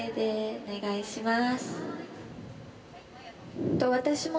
お願いします。